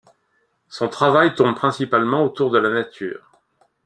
Son travail tourne principalement autour de la nature.